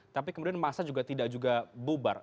tapi kemudian massa juga tidak bubar